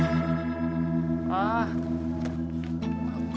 siap satu komandan